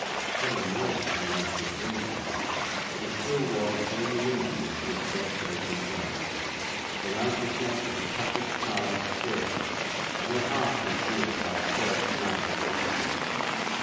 Heaven knows how long he had been there, but he still wore the same linen which he had first taken down; for, round his neck, was a tattered child's frill, only half concealed by a coarse, man's neckerchief.